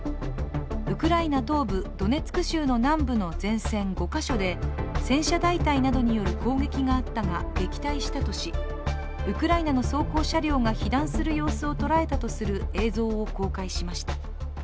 ウクライナ東部、ドネツク州の南部の前線５か所で戦車大隊などによる攻撃があったが撃退したとしウクライナの装甲車両が被弾する様子を捉えたとする映像を公開しました。